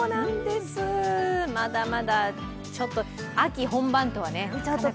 まだまだちょっと秋本番とは。